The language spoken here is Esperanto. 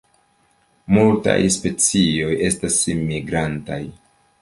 Multaj specioj estas migrantaj.